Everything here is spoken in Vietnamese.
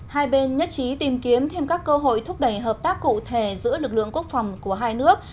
hai bên nhất trí tìm kiếm thêm các cơ hội thúc đẩy hợp tác cụ thể giữa lực lượng quốc phòng của hai nước